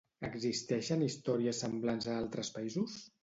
Existeixen històries semblants a altres països?